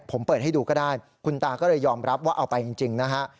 ผมเปิดให้ดูก็ได้คุณตาก็เลยยอมรับว่าเอาไปจริงนะฮะ